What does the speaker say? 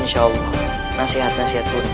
nasihat nasihatmu terbahagia untuk anda semua